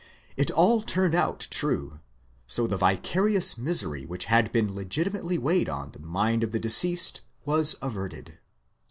It all turned out true ; so the vicarious misery which had been legitimately weighing on the mind of the deceased was averted.